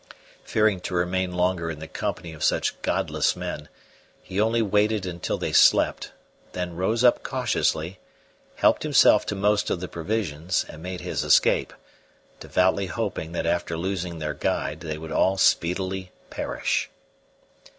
Fearing to remain longer in the company of such godless men, he only waited until they slept, then rose up cautiously, helped himself to most of the provisions, and made his escape, devoutly hoping that after losing their guide they would all speedily perish.